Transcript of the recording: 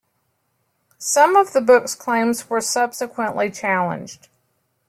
Some of the book's claims were subsequently challenged.